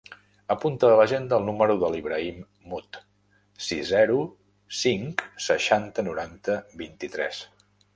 Apunta a l'agenda el número de l'Ibrahim Mut: sis, zero, cinc, seixanta, noranta, vint-i-tres.